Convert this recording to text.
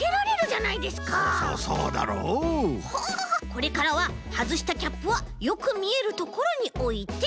これからははずしたキャップはよくみえるところにおいて。